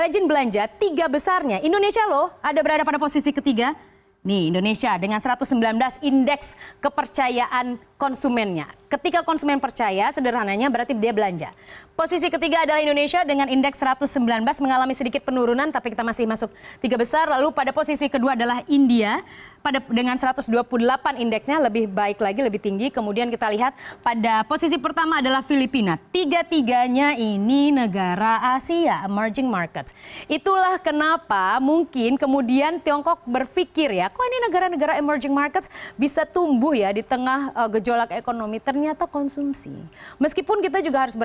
jepang itu pemerintahnya si shinzo abe